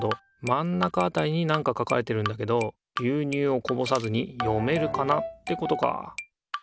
まん中あたりになんか書かれてるんだけど「牛乳をこぼさずに、読めるかな？」ってことか。